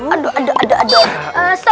aduh aduh aduh